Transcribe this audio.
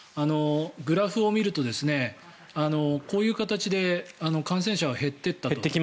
グラフを見ると、こういう形で感染者が減っていったと。